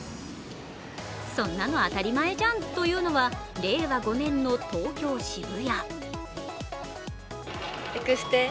そんなの当たり前じゃん！というのは令和５年の東京・渋谷。